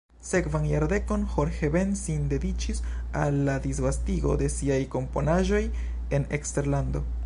Sekvan jardekon Jorge Ben sin dediĉis al la disvastigo de siaj komponaĵoj en eksterlando.